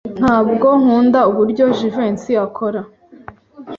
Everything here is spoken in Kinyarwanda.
Ntabwo nkunda uburyo Jivency akora.